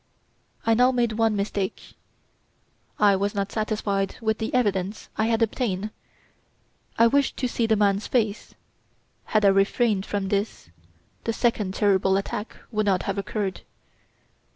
"I now made one mistake. I was not satisfied with the evidence I had obtained. I wished to see the man's face. Had I refrained from this, the second terrible attack would not have occurred."